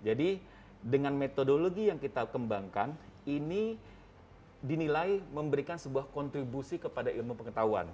jadi dengan metodologi yang kita kembangkan ini dinilai memberikan sebuah kontribusi kepada ilmu pengetahuan